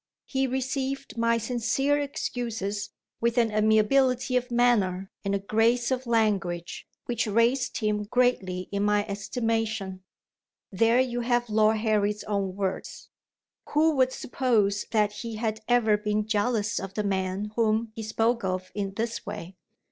He received my sincere excuses with an amiability of manner, and a grace of language, which raised him greatly in my estimation." There you have Lord Harry's own words! Who would suppose that he had ever been jealous of the man whom he spoke of in this way?